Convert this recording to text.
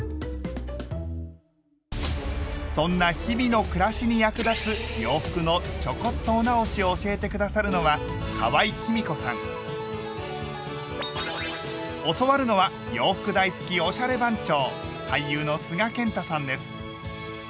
そんな日々の暮らしに役立つ洋服のちょこっとお直しを教えて下さるのは教わるのは洋服大好きおしゃれ番長！